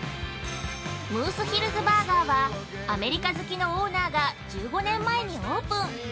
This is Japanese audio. ◆ムースヒルズバーガーはアメリカ好きのオーナーが１５年前にオープン。